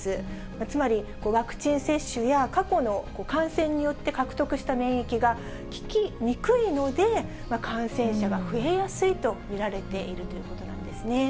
つまり、ワクチン接種や、過去の感染によって獲得した免疫が効きにくいので、感染者が増えやすいと見られているということなんですね。